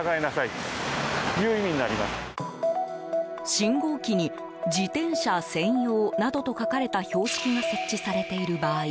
信号機に自転車専用などと書かれた標識が設置されている場合